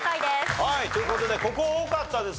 はいという事でここ多かったですね。